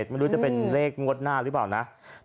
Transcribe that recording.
ไม่รู้จะเป็นเลขงวดหน้าหรือเปล่านะ